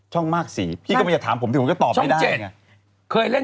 ช่องมากสิพี่กำลังอย่าถามผมถึงผมก็ตอบไม่ได้